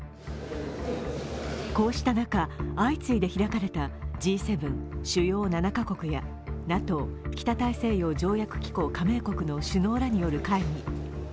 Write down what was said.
こうした中、相次いで開かれたＧ７＝主要７か国やＮＡＴＯ＝北大西洋条約機構加盟国の首脳らによる会議。